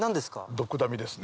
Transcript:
ドクダミですね。